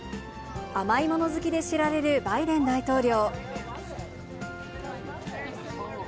甘いもの好きで知られるバイデン大統領。